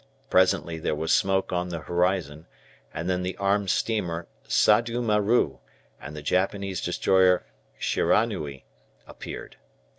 Presently there was smoke on the horizon, and then the armed steamer "Sadu Maru" and the Japanese destroyer "Shiranui" appeared.